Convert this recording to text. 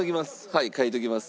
はい書いときます。